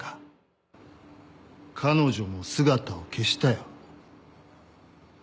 彼女も姿を消したよ。